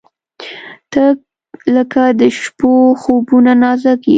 • ته لکه د شپو خوبونه نازک یې.